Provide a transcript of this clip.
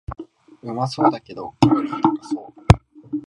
うまそうだけどカロリー高そう